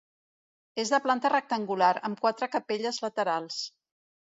És de planta rectangular, amb quatre capelles laterals.